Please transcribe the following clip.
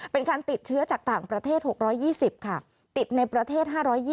เป็นการติดเชื้อจากต่างประเทศ๖๒๐ค่ะติดในประเทศ๕๒๐